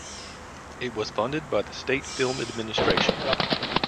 It was funded by the State Film Administration.